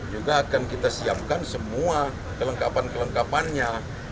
juga akan kita siapkan semua kelengkapan kelengkapannya